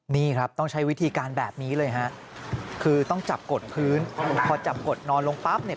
นี่ครับต้องใช้วิธีการแบบนี้เลยฮะคือต้องจับกดพื้นพอจับกดนอนลงปั๊บเนี่ย